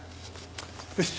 よし。